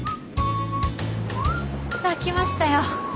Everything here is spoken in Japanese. さあ来ましたよ。